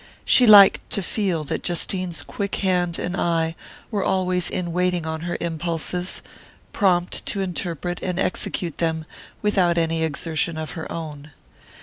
She liked to feel that Justine's quick hand and eye were always in waiting on her impulses, prompt to interpret and execute them without any exertion of her own.